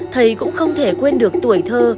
thầy cũng không thể quên được tuổi thơ